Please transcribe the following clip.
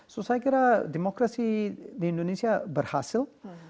so saya kira demokrasi di indonesia berhasil